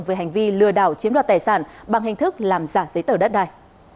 về hành vi lừa đảo chiếm đoạt tài sản bằng hình thức làm giả giấy tờ đất đài